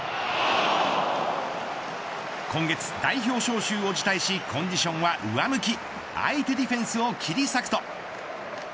今月、代表招集を辞退しコンディションは上向き相手ディフェンスを切り裂くと。